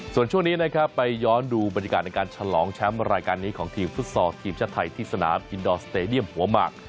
ส่วนช่วงนี้นะครับไปย้อนดูบรรยากาศในการฉลองแชมป์รายการนี้ของทีมฟุตซอลทีมชาติไทยที่สนามอินดอร์สเตดียมหัวหมาก